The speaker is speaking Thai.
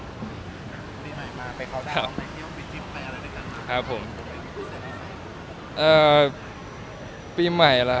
ยังไงเป็นปีใหม่มา